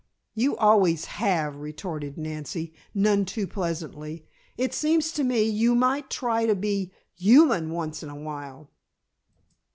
"You always have," retorted Nancy, none too pleasantly. "It seems to me, you might try to be human, once in a while."